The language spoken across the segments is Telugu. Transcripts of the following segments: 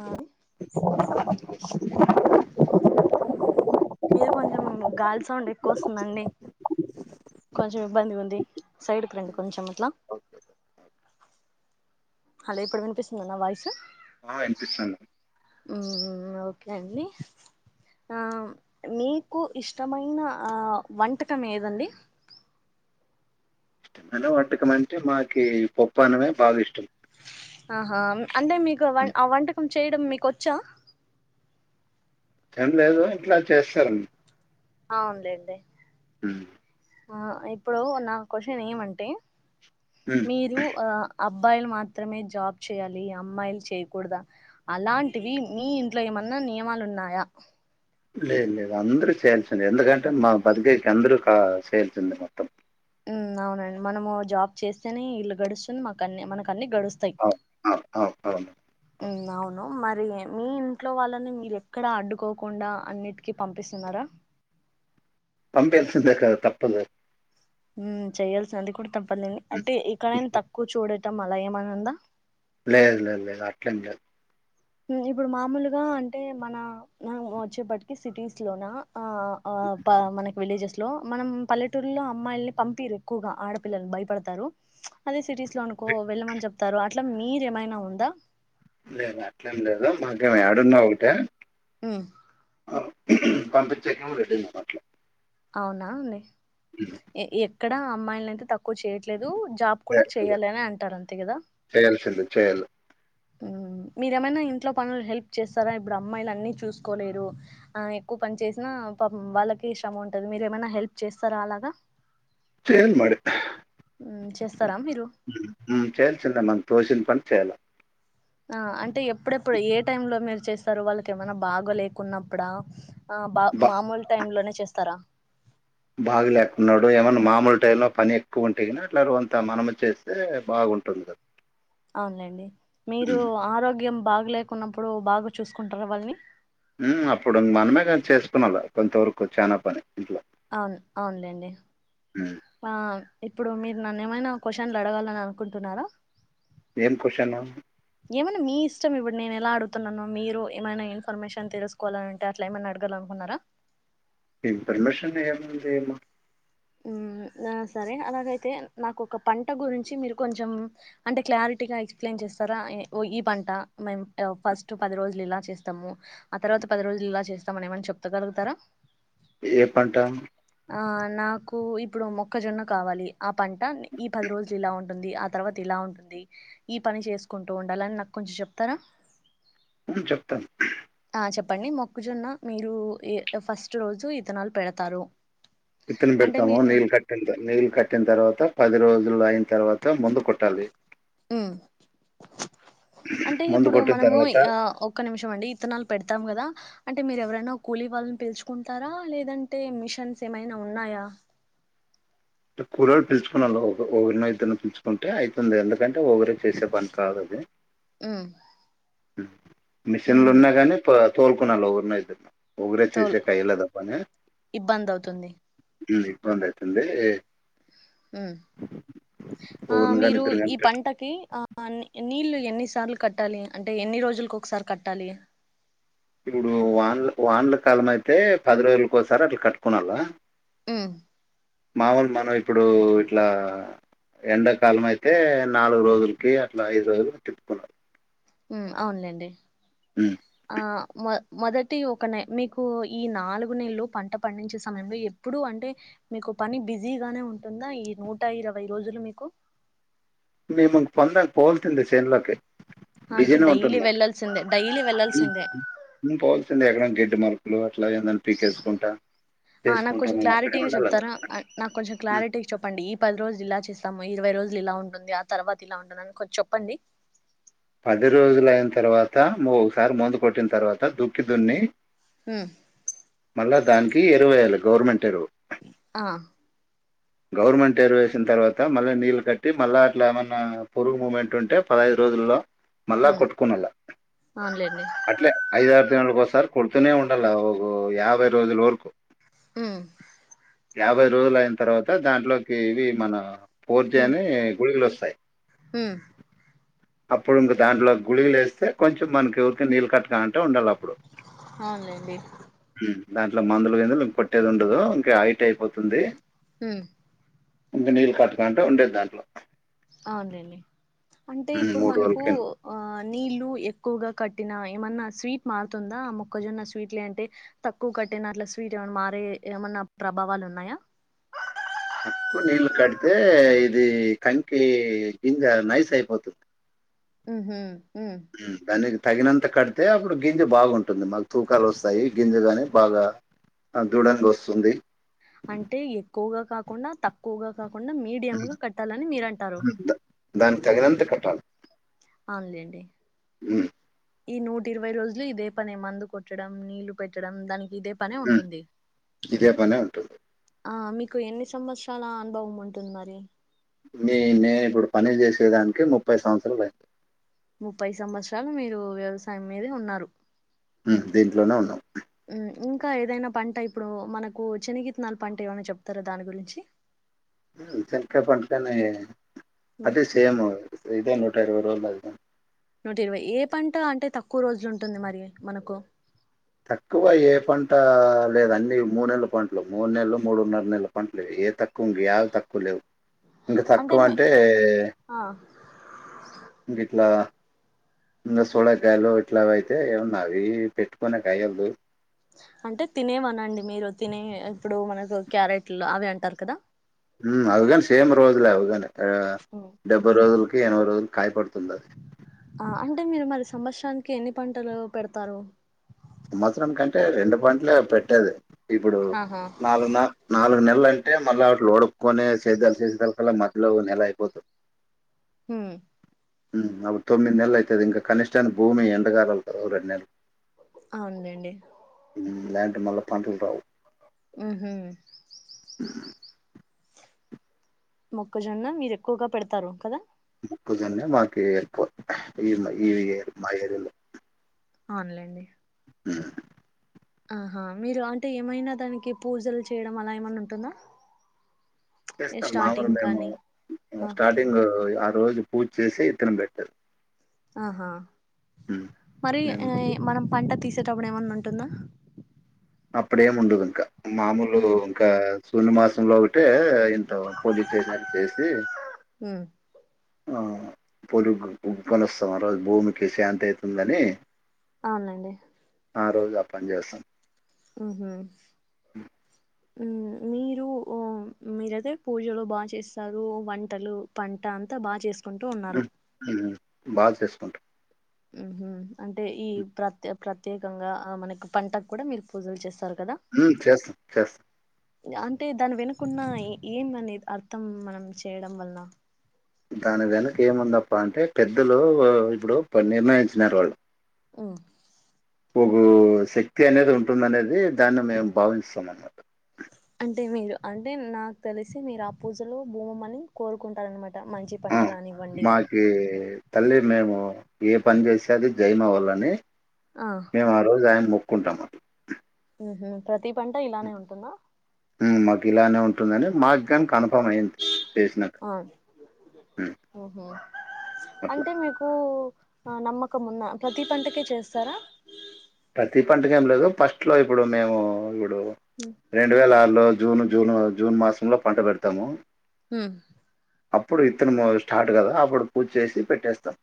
ఆ మీరు కొంచెం గాలి సౌండ్ ఎక్కువ వస్తుందండి కొంచెం ఇబ్బంది ఉంది సైడ్కి రండి కొంచెం అట్లా హలో ఇప్పుడు వినిపిస్తుందిన్న వాయిసు అనిపిస్తుంది ఉ ఓకే అండి ఆ మీకు ఇష్టమైన ఆ వంటకం ఏదండి అనే వంటకం అంటే మాకి పప్ప అనమే బాగా ఇష్టం ఆహా అంటే మీకు వ హ్మ్. ఆ వంటకం చేయడం మీకు వచ్చా తనలేదు ఇంట్లా చేస్తారండి ఆ ఉందిేే హ ఆ ఇప్పుడు నా క్వశ్చన్ ఏమంటే హ్మ్. మీరు ఆ అబ్బాయిలు మాత్రమే జాబ్ చేయాలి అమ్మాయిలు చేయకూడదా అలాంటివి మీ ఇంట్లో ఏమన్నా నియమాలు ఉన్నాయా లేదు లేదు అందరుూ చేయాల్సింది ఎందుకంటే మా బతికాేకి అందరుూ చేయాల్సింది మొత్తం అవునండి మనము జాబ్ చేస్తేనే ఇల్లు గడుస్తుంది మాకు అన్న మనకు గడుస్తాయి అవును. అవును. అవును. అవును. అవును మరి మీ ఇంట్లో వాళ్ళని మీరు ఎక్కడ అడ్డుకోకుండా అన్నిటికిీ పంపిస్తున్నారా పంేల్ సంది క తప్పదు చెయయాల్సిిన అది కూడా తప్పదండి అంటే ఇక్కడైనా తక్కువ చూడటం అలా ఏమనిందా లేదు లేదు లేదు అట్లందు ఇప్పుడు మామూలుగా అంటే మన వచ్చేప్పటికి సిటీస్ లోన ఆ మనకి విలేజెస్ లో మనం పల్లెటూరులో అమ్మాయిల్ని పంపిరు ఎక్కువగా ఆడపిల్లలు భయపడతారు అదే సిటీస్ లో అనుకో వెళ్ళమని చెప్తారు అట్లా మీరేమైనా ఉందా లేదు అట్లేం లేదు మాకేమి ఏడున్నా ఒకటే ఉమ్ పంపించక వెళ్ళట్ అవునా అండి ఎక్కడా అమ్మాయిల అయితే తక్కువ తక్కువ చేయట్లేదు జాబ్ కూడా చేయాల్సిందే. చేయాలి అని అంటారు అంతే కదా చేయాల్సిందే చేయాలి. హ్మ్. మీరేమైనా ఇంట్లో పనులు హెల్ప్ చేస్తారా ఇప్పుడు అమ్మాయిలు అన్నిీ చూసుకోలేరు ఆ ఎక్కువ పని చేసినా వాళ్ళకి శ్రమ ఉంటది మీరు ఏమైనా హెల్ప్ చేస్తారా అలాగా చేల్ మ హ్మ్. చేస్తారా మీరు చేల్చిన మ తోసిన ప వచ్చే అాల ఆ అంటే ఎప్పుడెప్పుడు ఏ టైమ్ లో మీరు చేస్తారు వాళ్ళకి ఏమైనా బాగో లేకున్నప్పుడా ఆ బా మామూలు టైమ్ లోనే చేస్తారా టై లో పని ఎక్కువ ఉంటే క అట్లా కొంత మనము చేస్తే బాగుంటుంది క అవునండి మీరు ఆరోగ్యం బాగలేకున్నప్పుడు బాగా చూసుకుంటారా వాళ్ళని అప్పుడు మనమే కా చేసుకునాల కొంతవరకు చనా పని ఇంట్లో అ అవునండి, ఉమ్. ఆ. ఇప్పుడు మీరు నన్న ఏమైనా క్వశ్చన్లు అడగాలని అనుకుంటున్నారా. ఏం క్యూస్షన్. ఏమైన్నా మీ ఇష్టం ఇప్పుడు నేను ఎలా అడుగుతున్నానో మీరు ఏమైనా ఇన్ఫర్మేషన్ తెలుసుకోవాలి అంటే అట్లా ఏమైనా అడగలే. వున్నారా. ఇన్ఫర్మిషన్ ఏముంది ఏమో. మ్మ్ ఆ సరే అలాగైతే నాకు ఒక పంట గురించి మీరు కొంచెం అంటే క్లారిటీగా ఎక్సప్లయిన్ చే. సారా ఈ పంట మేం ఫస్ట్ పది రోజులు ఇలా చేస్తాము. ఆ తర్వాత పది రోజులు ఇలా. చేస్తామని ఏమని చెప్పగలుగుతారా. ఏ పంట. ఆ నాకు ఇప్పుడు మొక్కజొన్న కావాలి. ఆ పంట ఈ పది రోజులు ఇలా ఉంటుంది. ఆ తర్వాత ఇలా. ఇలా ఉంటుంది. ఈ పని చేసుకుంటూ ఉండాలని నాకు కొంచెం చెప్తారా. మ్మ్ చెప్తాను. ఆ చెప్పండి మొక్క్కజొన్న మీరు ఫస్ట్ రోజు ఇత్తనాలు పెడతారు. ఇత్తనం అంటే పెడతాము మీరు నీళ్ళు కట్టిన నీళ్ళు కట్టిన తర్వాత పది రజులు అయి. తర్వాత మందు కొట్టాలి. ఉమ్ అంటే ముందు ఇప్పుడు కొట్టిన మనము తర్వాత ఆ ఒక్క నిమిషం అండి ఇత్తనాలు పెడతాం కదా. అంటే మీరు ఎవరైనా కూలీ వాళ్ళని పిలుచుకుంటారా లేదంటే మిషన్స్ ఏమైనా ఉన్నాయా. అంటే కూలోల్లు పిలుచుకొని ఒకరినో ఇద్దరినో పిలుచుకుంటే అవుతుంది. ఎందుకంటే ఒకరే చేసే పని కాదు అది. మ్మ్ మిషన్లు ఉన్నా కానీ తోలుకునాలో ఉన్నాయి. ఒకరే తోల్ చేసే టైలర్ పనా, ఇబ్బంది అవుతుంది జూలీ. బంధైతుందే. మ్మ్, ఆ ఒకరిని కానీ మీరు ఇద్దరు కానీ ఈ పెట్టు పంటకి ఆ నీళ్ళ. ఎన్ని సార్లు కట్టాలి అంటే ఎన్ని రోజులలకు ఒకసారి కట్టాలి. ఇప్పుడు వాన్ల వాన్ల కాలం అయితే పది రోజులకోసారు అట్లా కట్టుకునాలా. మ్మ్ మామూలు మనం ఇప్పుడు ఇట్లా. ఎండాకాలం అయితే నాలుగు రోజులకి అట్లా ఐదు రోజులు తిప్పుకుంటాం. మ్మ్ అవునులేండి మ్మ్ ఆ మొదటి ఒక న మీకు ఈ నాలుగు నెలలు పంట పండించే సమయంలో ఎప్పుడు అంటే. అంటే మీకు పని బిజీగానే ఉంటుందా. ఈ నూట ఇరవై రోజులు మీకు. [unintelligible] మేము పొందా పోల్తుంది చేన్లకి. అంటే బిజీనే డైలీ ఉంటుందండి వెళ్లాల్సిందే డైలీ వెళ్లాల్సిందే ఉ పోల్. రెండు ఎకరాలు గడ్డి మందు అట్లా ఏందని పీకేసుకుంటా. ఆ నాకు చేసుకుంటా కొంచెం మేము అక్కడే క్లారిటీగా ఉండాలి చెప్తారా. నాకు కొంచెం క్లారిటీకగా చెప్పండి. పది రోజులు ఇలా చేస్తాము. ఇరవై రోజులు ఇలా ఉంటుంది ఆ తర్వాత ఇలా ఉంటుంది. అని కొంచం చెప్పండి. పది రోజులు అయిన తర్వాత నువ్వు ఒకసారి ముందు కొట్టిన తర్వాత దుక్కి దున్ని. మ్మ్ మళ్ళా దానికి ఎరవు వెయ్యాలి గవర్నమెంట్ ఎరువు. ఆ గవర్నమెంట్ ఎరువు వేసిన తర్వాత మళ్ళీ నీళ్లు కట్టి మళ్ళీ అట్లా ఏమన్నా పురుగు మూమెంట్ ఉంటే పదహదు. ఉమ్ అవునులేండి [unintelligible] సార్ కొడుతనే ఉండల్ వగు యాభై రోజుల వరకు. హు యాభై రోజులు అయిన తర్వాత దాంట్లోకి ఇవి మన పూర్తి అని గుడిగులు వస్తాయి హు అప్పుడు ఇంక దాంట్లో [unintelligible] లేేస్తే కొంచెం మనకి ఎవరికి నీళ్ళు కట్టు అంటే ఉండాలి అప్పుడు అవున్లెండి దాంట్లో మందులు [unintelligible] ఇం కొట్టేది ఉండదు ఇంకా హైట్ అయిపోతుంది హు ఇంకా నీళ్ళు [unintelligible] అంటే ఉండేది దాంట్లో అవునండి అంటే ఉమ్, ఇప్పుడు మూడు మనకు రోజులకి ఆ నీళ్లు ఎక్కువగా కట్టిన ఏమన్నా స్వీట్ మారుతుందా ఆ మొక్కజొన్న స్వీట్లు అంటే తక్కువ నిన్న అట్ల స్వీట్ ఏమనా మారే ఏమన్నా ప్రభావాలు ఉన్నాయా. [unintelligible] నీళ్ళు కడితే ఇది కంకి గింజ నైస్ అయిపోతుంది. హు హు [unintelligible] తగినంత కడితే అప్పుడు గింజ బాగుంటుంది మాకు తూకాలు వస్తాయి గింజ గాని బాగా [unintelligible] వస్తుంది వగా కాకుండా మీడియం గా కట్టాలని మీరంటారు ఉమ్, దా- దానికి తగినంత కట్టాల్ అవునులెండి ఉ ఈ నూటి ఇరవై రోజులు ఇదే పనే మందు కొట్టడం నీళ్లు పెట్టడం దన్ ఇదే పనే ఉంటు ఆ మీకు ఎన్ని సంవత్సరాల అనుభవం ఉంటుంది మరి నేను నేను ఇప్పుడు పని చేసేదానికి ముప్పై సంవత్సరాలు అయి ముప్పై సంవత్సరాలు మీరు వ్యవసాయం మీదే ఉన్నారు హు దీంట్లోనే ఉన్నాం ఉమ్ ఇంకా ఏదైనా పంట ఇప్పుడు మనకు శనగితనాల పంట ఏమైనా చెప్తారా దాని గురించి హు చెనికాయ్ ఉమ్, అదే సేమ్ ఇదే [unintelligible] నూట ఇరవై ఏ పంట అంటే తక్కువ రోజులు ఉంటుంది మరి మనకు తక్కువ ఏ పంట లేద అన్ని మూడు నెలల పంటలు మూడు నెలలు మూడున్నర నెలల పంటలు ఏ తక్కువ ఇంక యావి తక్కువ లేవు ఇంక తక్కువ అంటే ఆ ఇంగిట్ల ఇంకా సోడకాయలు ఇట్లావి అయితే ఏన్నా అవి పెట్టుకునేకి అయ్యేల్దు అంటే తినేవాన అండి మీరు తినే ఇప్పుడు మనకు క్యారెట్లు అవి అంటారు కదా అవుగాని సేమ్ రోజుల అవుగాని అ ఉమ్, డెబ్బై రోజులకి ఎనవై రోజుల కాయపడుతుంది అది ఆ అంటే మీరు మరి సంవత్సరానికి ఎన్ని పంటలు పెడతారు సంవత్సరం కంటే రెండు పంటలే పెట్టేది ఇప్పుడు ఆహా నాలుగు న నాలుగు నెలలు అ అంటే మళ్ళీ అ ఓడుకొని చేద్ద [unintelligible] కలా మధ్యలో నెల అయిపోత హు అవి తొమ్మిది నెలలు అవుతది ఇంకా కనిష్టాన్ని భూమి ఎండగాలు క రెండు నెలలు అవును లెండి ల్యాండ్ మళ్ళీ పంటలు రావు ఉ మొక్కజొన్న మీరు ఎక్కువగా పెడతారు కద మొక్కజొన్నే మాకు ఎక్కువ ఈ ఈ మా ఏరిలో అవున్లేండి హు ఆహా మీరు అంటే ఏమైనా దానికి పూజలు చేయడం అలా ఏమన్నా ఉంటుంద చేస్తాం మామూలు మేము ఆ స్టార్టింగ్ ఆ రోజు పూజ చేసి ఇత్తనం పెట్టారు ఆహా మరి మేము మనం పంట తీసు టప్పుడు ఏమన్న ఉంటుందా అప్పుడేమి ఉండదు ఇంకా మామూలు ఉమ్ ఇంకా శూన్య మాసంలో ఒకటే దీంతో పూజ చేసినట్టు చేసి ఉమ్ ఆ పొలుగు పొనిస్తాం ఆ రోజు భూమికి శాంతి అవుతుందని అవునండి ఆ రోజు ఆ పని చేస్తా ఉహు.. ఆమ్ మీరు హ మీరైతే పూజలు బాగా చేస్తారు వంటలు పంట అంతా బాగా చేస్ [unintelligible] బాగా చేసుకుంటం ఉమ్ హ్మ్ అంటే ఈ ప్రత్య ప్రత్యేకంగా మనకి పంటకు కూడా మీరు పూజలు చేస్తారు కదా హు చేస్తాం చేస్తాం అంటే దాని వెనుకున్న ఏమనేది అర్థం మనం చేయడం వల్ల దాని వెనక ఏముందప్ప అంటే పెద్దలు ఇప్పుడు నిర్ణయించినారు వాళ్ళు ఉమ్ ఒక శక్తి అనేది ఉంటుందనేది దాన్ని మేము భావింస్తాం అన్నమాట అంటే మీరు అంటే నాకు తెలిసి మీరు ఆ పూజలో భూమిని కోరుకుంటారనమాట మంచి ఆ పంటలనివ్వండి మాకి తల్లి మేము ఏ పని చేస్తే అది జయం అవ్వాలని ఆ మేము ఆ రోజు ఆయన మో కుంటామట్ల హు.. ప్రతి పంట ఇలానే ఉంటుందా మాకు ఇలానే ఉంటుందండి మాకుగానీ కన్ఫర్మ్ అయిది చేసినాక ఉమ్ ఓహో అట్లా అంటే మీకు ఆ నమ్మకమున్న ప్రతి పంటకీ చేస్తారా ప్రతి పంటకు ఏం లేదు ఫస్ట్ లో ఇప్పుడు మేము ఇప్పుడు ఉమ్ రెండు వేల ఆరులో జూన్ జూన్ జూన్ మాసంలో పంట పెడతము హ్మ్ అప్పుడు విత్తనము స్టార్ట్ కదా అప్పుడు పూజ చేసి పెట్టేస్తాం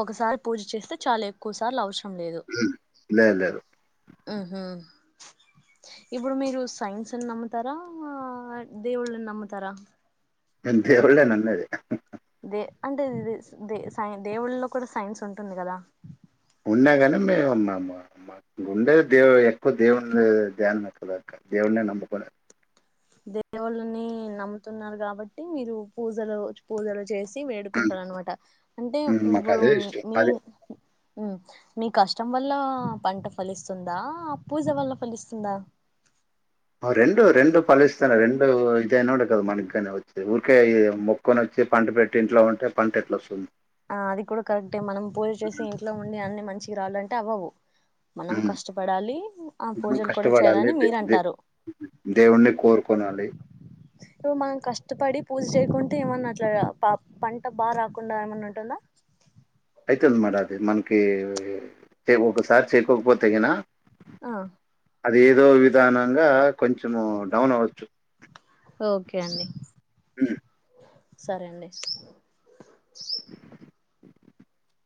ఒకసారి పూజ చేస్తే చాలు ఎక్కువ సార్లు అవసరం లేదు ఉమ్. లేదు లేదు ఉహు... [inaudible] ఇప్పుడు మీరు సైన్స్ అని నమ్ముతారా..... దేవుళ్ళని నమ్ముతారా నేను దేవున్నే నమ్మేది దే అంటే దే సైన్ దేవుళ్ళలో కూడా సైన్స్ ఉంటుంది కదా ఉన్నాగాని మేముమ్మ్ మ ఉండేది దేవు ఎక్కువ దేవుని ధ్యానమే కదా దేవున్నే నమ్ముకునేది దేవుళ్ళని నమ్ముతున్నారు కాబట్టి మీరు పూజలు పూజలు చేసి వేడుకుంటరు అనమాట అంటే ఉమ్, మాకు ఇప్పుడు అదే ఇష్టం మీ అదే మీ కష్టం వల్ల పంట ఫలిస్తుందా పూజ వల్ల ఫలిస్తుందా [inaudible] రెండు రెండు ఫలిస్తాయి రెండు ఇదయినప్పుడే కదా మనగానే వచ్చిది ఊరికే మొక్కొని వచ్చి పంట పెట్టి ఇంట్లో ఉంటే పంట ఎట్ల వస్తుంది ఆ అది కూడ కరెక్టే మనం పూజ చేసి ఇంట్లో ఉండి అన్ని మంచిగ రావాలంటే అవ్వవు మనం ఉమ్, కష్టపడాలి ఆ పూజలు కూడా చేయాలని మీరంటారు దేవుని కోరుకోనండి ఇప్పుడు మనం కష్టపడి పూజ చేయకుంటే ఏమన్నా అట్ల పంట బాగా రాకుండా ఏమన్న ఉంటుందా అయితది మరి అది మనకి ఓకే ఒకసారి చేప్పకపొతే గినా ఆ అది ఏదో విధంగా కొంచము డౌన్ అవ్వచ్చు ఓకే అండి సరే అండి స [inaudible] [inaudible]